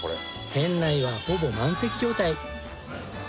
店内はほぼ満席状態。